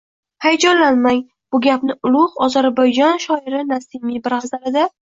– Hayajonlanmang, bu gapni ulug’ Ozarbayjon shoiri Nasimiy bir g’azalida: